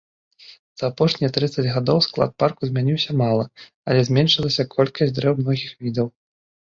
За апошнія трыццаць гадоў склад парку змяніўся мала, але зменшылася колькасць дрэў многіх відаў.